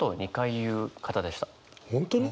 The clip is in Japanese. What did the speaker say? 本当に？